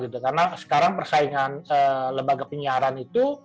karena sekarang persaingan lembaga penyiaran itu